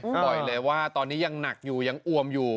บอกเลยว่าตอนนี้ยังหนักอยู่ยังอวมอยู่